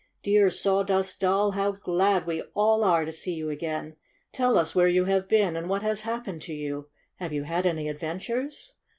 "Dear Sawdust Doll, how glad we all are to see you again ! Tell us where you have been and what has happened to you. Have you had any adventures?"